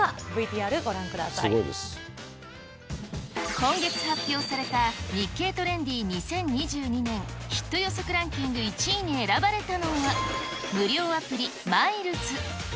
今月発表された日経トレンディ２０２２年ヒット予測ランキング１位に選ばれたのは、無料アプリ、マイルズ。